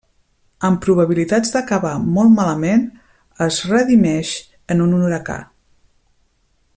Amb probabilitats d'acabar molt malament, es redimeix en un huracà.